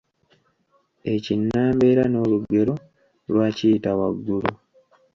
Ekinnambeera n’olugero lwa Kiyitawaggulu